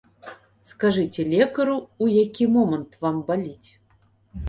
Скажыце лекару, у які момант вам баліць.